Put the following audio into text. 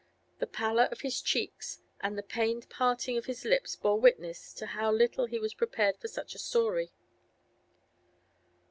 The pallor of his cheeks and the pained parting of his lips bore witness to how little he was prepared for such a story.